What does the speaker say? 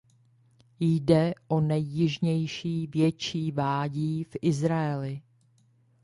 Jde o nejjižnější větší vádí v Izraeli.